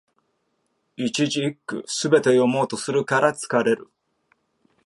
一字一句、すべて読もうとするから疲れる